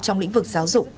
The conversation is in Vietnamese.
trong lĩnh vực giáo dụng